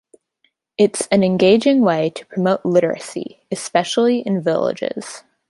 It's an engaging way to promote literacy, especially in villages.